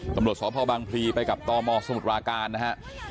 ตำรวจสวพบางภีร์ไปกับตอหมอสมุดปราการนะฮะ